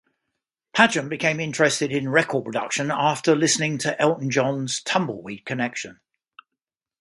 Padgham became interested in record production after listening to Elton John's "Tumbleweed Connection".